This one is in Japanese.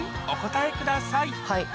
お答えくださいは